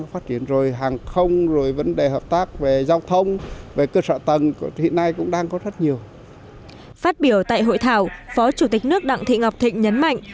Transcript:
phát biểu tại hội thảo phó chủ tịch nước đặng thị ngọc thịnh nhấn mạnh